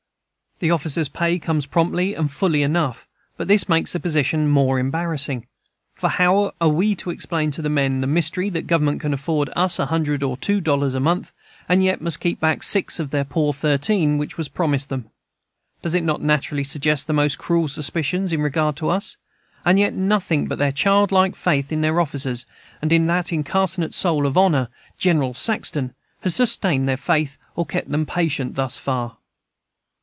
The officers' pay comes promptly and fully enough, and this makes the position more embarrassing. For how are we to explain to the men the mystery that Government can afford us a hundred or two dollars a month, and yet must keep back six of the poor thirteen which it promised them? Does it not naturally suggest the most cruel suspicions in regard to us? And yet nothing but their childlike faith in their officers, and in that incarnate soul of honor, General Saxton, has sustained their faith, or kept them patient, thus far.